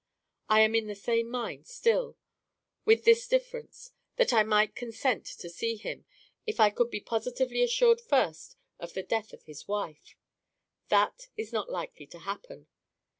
I am in the same mind still with this difference, that I might consent to see him, if I could be positively assured first of the death of his wife. That is not likely to happen.